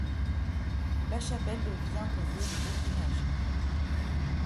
La chapelle devient un lieu de pèlerinage.